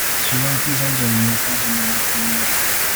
其中資深者已有三十年的經驗